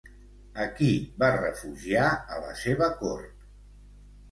A qui va refugiar a la seva cort?